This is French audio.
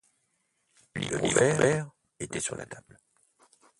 Le Livre ouvert, était sur la table.